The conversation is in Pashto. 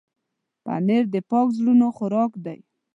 پنېر د پاک زړونو خوراک دی.